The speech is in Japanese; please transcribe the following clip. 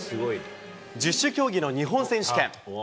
十種競技の日本選手権。